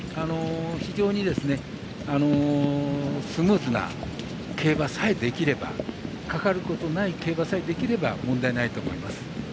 非常にスムーズな競馬さえできればかかることない競馬さえできれば問題ないと思います。